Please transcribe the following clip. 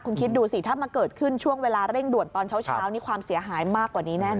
คุณคิดดูสิถ้ามาเกิดขึ้นช่วงเวลาเร่งด่วนตอนเช้านี่ความเสียหายมากกว่านี้แน่นอ